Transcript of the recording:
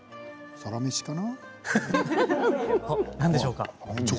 「サラメシ」かな。